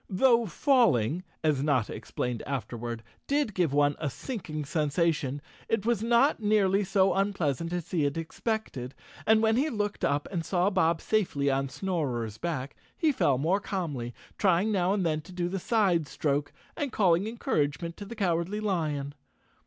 Though falling, as Notta explained afterward, did give one a sinking sensation, it was not nearly so unpleasant as he had expected and, when he looked up and saw Bob safely on Snorer's back, he fell more calmly, trying now and then to do the side stroke and calling encouragement to the Cowardly Lion.